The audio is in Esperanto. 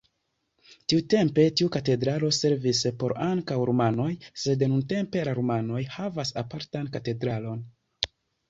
Tiutempe tiu katedralo servis por ankaŭ rumanoj, sed nuntempe la rumanoj havas apartan katedralon.